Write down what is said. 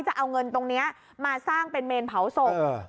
จะเอาเงินตรงนี้มาสร้างเป็นเมนเผาศพ